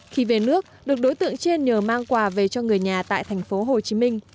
khi về nước được đối tượng trên nhờ mang quà về cho người nhà tại tp hcm